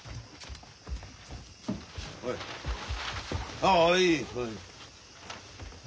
ああいい。